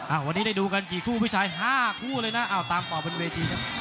วันนี้ได้ดูกันกี่คู่พี่ชาย๕คู่เลยนะเอาตามต่อบนเวทีครับ